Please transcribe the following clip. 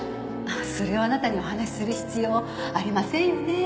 それをあなたにお話しする必要ありませんよね。